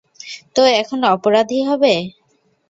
তো এখন অপরাধী হবে?